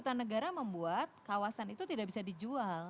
karena membuat kawasan itu tidak bisa dijual